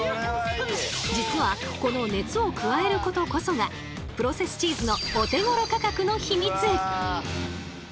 実はこの熱を加えることこそがプロセスチーズのお手ごろ価格のヒミツ。